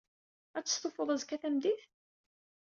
Ad testufuḍ azekka tameddit?